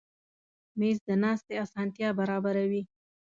مېز د ناستې اسانتیا برابروي.